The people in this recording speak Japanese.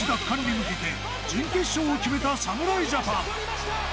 向けて準決勝を決めた侍ジャパン